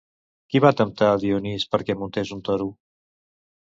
Qui va temptar Dionís perquè muntés un toro?